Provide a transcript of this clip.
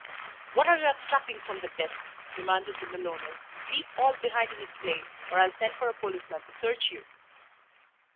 "What are you abstracting from that desk?" demanded the millowner. "Leave all behind in its place, or I'll send for a policeman to search you."